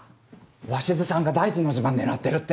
鷲津さんが大臣の地盤狙ってるって。